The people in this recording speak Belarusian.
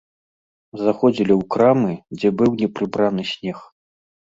Заходзілі ў крамы, дзе быў непрыбраны снег.